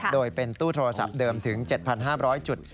โดยเป็นตู้โทรศัพท์เดิมถึง๗๕๐๐จุด